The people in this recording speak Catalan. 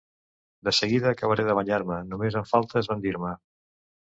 De seguida acabaré de banyar-me, només em falta esbandir-me.